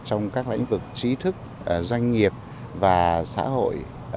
trong các lĩnh vực trí thức doanh nghiệp và xã hội